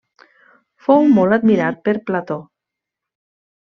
Fou molt admirat per Plató.